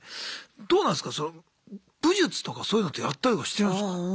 どうなんすか武術とかそういうのってやったりとかしてるんすか？